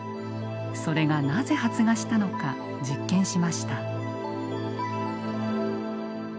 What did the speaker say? それがなぜ発芽したのか実験しました。